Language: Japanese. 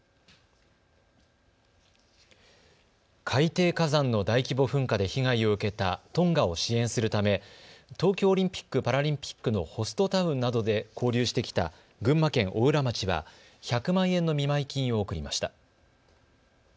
海底火山の大規模噴火で被害を受けたトンガを支援するため東京オリンピック・パラリンピックのホストタウンなどで交流してきた群馬県邑楽町は１００万円の見舞い金を贈りました。